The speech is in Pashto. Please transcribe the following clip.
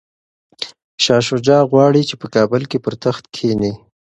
شاه شجاع غواړي چي په کابل کي پر تخت کښیني.